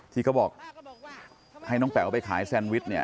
ที่เขาบอกให้น้องแป๋วไปขายแซนวิชเนี่ย